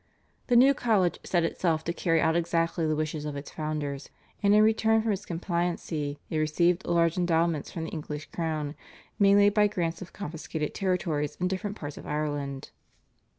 The new college set itself to carry out exactly the wishes of its founders, and in return from its compliancy it received large endowments from the English crown mainly by grants of confiscated territories in different parts of Ireland.